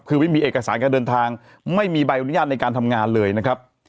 คือไม่มีเอกสารการเดินทางไม่มีใบอนุญาตในการทำงานเลยนะครับ